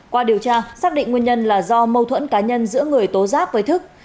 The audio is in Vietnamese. qua điều tra xác định nguyên nhân là do mâu thuẫn cá nhân giữa người tố giác với thức